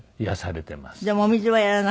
でもお水はやらなくていいの？